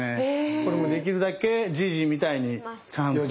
これもできるだけじいじみたいにちゃんと。